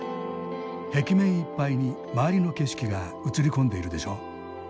壁面いっぱいに周りの景色が映り込んでいるでしょう？